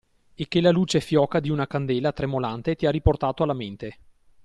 E che la luce fioca di una candela tremolante ti ha riportato alla mente.